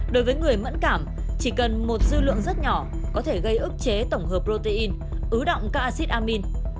đối với người mẫn cảm chỉ cần một dư lượng rất nhỏ có thể gây ức chế tổng hợp protein ứ động các acid amin